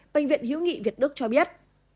bệnh viện hiếu nghị việt đức cho biết